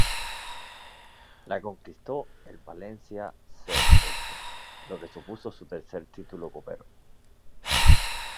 La conquistó el Valencia C. F., lo que supuso su tercer título copero.